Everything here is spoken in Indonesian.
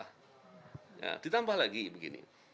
nah ditambah lagi begini